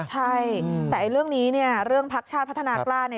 ใช่แต่เรื่องนี้เนี่ยเรื่องพักชาติพัฒนากล้าเนี่ย